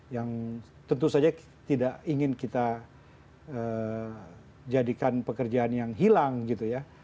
yang tentu saja tidak ingin kita jadikan pekerjaan yang hilang gitu ya